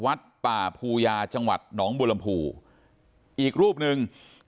วัดป่าภูยาจังหวัดหนองบุรมภูอีกรูปหนึ่ง